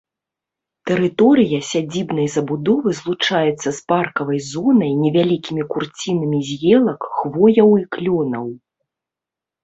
Тэрыторыя сядзібнай забудовы злучаецца з паркавай зонай невялікімі курцінамі з елак, хвояў і клёнаў.